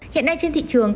hiện nay trên thị trường